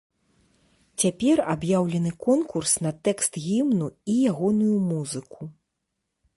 Цяпер аб'яўлены конкурс на тэкст гімну і ягоную музыку.